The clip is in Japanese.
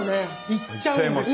行っちゃいます。